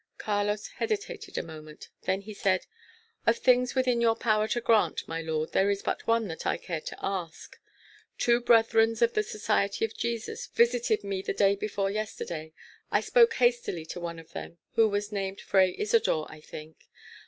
Carlos hesitated a moment. Then he said, "Of things with in your power to grant, my lord, there is but one that I care to ask. Two brethren of the Society of Jesus visited me the day before yesterday. I spoke hastily to one of them, who was named Fray Isodor, I think.